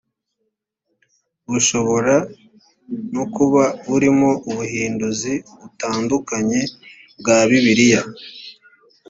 bushobora no kuba burimo ubuhinduzi butandukanye bwa bibiliya